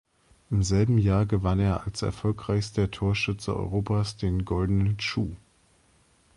Im selben Jahr gewann er als erfolgreichster Torschütze Europas den "Goldenen Schuh.